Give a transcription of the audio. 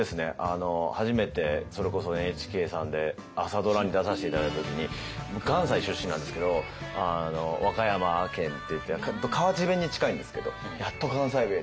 初めてそれこそＮＨＫさんで朝ドラに出させて頂いた時に僕関西出身なんですけど和歌山県っていって河内弁に近いんですけど。